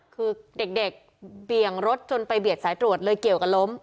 คือเด็กเบี่ยงรถจนไปเบียดสายตรวจเลยเกี่ยวกับล้ม